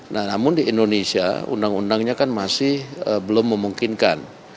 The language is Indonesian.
nah namun di indonesia undang undangnya kan masih belum memungkinkan